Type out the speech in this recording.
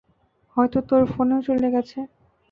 হয়তো তোর ফোনেও চলে গেছে।